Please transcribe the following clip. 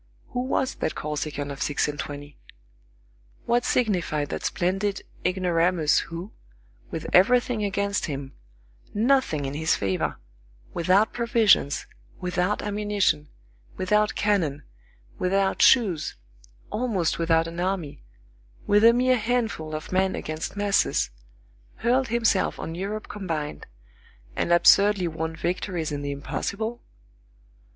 Who was that Corsican of six and twenty? What signified that splendid ignoramus, who, with everything against him, nothing in his favor, without provisions, without ammunition, without cannon, without shoes, almost without an army, with a mere handful of men against masses, hurled himself on Europe combined, and absurdly won victories in the impossible?